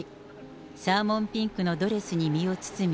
サーモンピンクのドレスに身を包み、